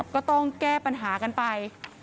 ก็ต้องแก้ปัญหากันไป